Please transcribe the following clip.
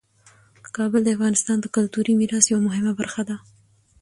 کابل د افغانستان د کلتوري میراث یوه مهمه برخه ده.